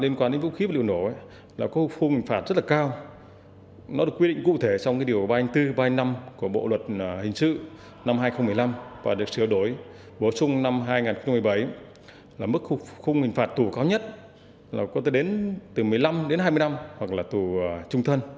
năm hai nghìn một mươi năm và được siêu đổi bổ sung năm hai nghìn một mươi bảy là mức khung hình phạt tù cao nhất là có thể đến từ một mươi năm đến hai mươi năm hoặc là tù trung thân